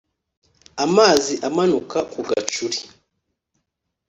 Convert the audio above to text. Amazi amanuka ku gacuri